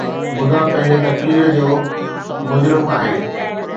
مدعا پنهنجي تقرير جو مجرم آهي